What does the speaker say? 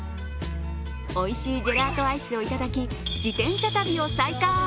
おいしいジェラートアイスをいただき、自転車旅を再開。